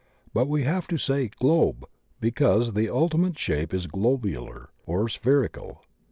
But we have to say "globe," be cause the ultimate shape is globular or spherical.